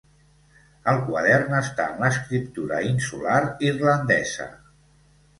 El quadern està en l'escriptura insular irlandesa.